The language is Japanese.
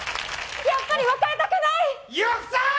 やっぱり別れたくないよっしゃー！